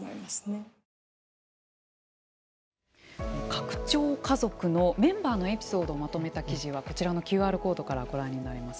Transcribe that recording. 拡張家族のメンバーのエピソードをまとめた記事はこちらのＱＲコードからご覧になれます。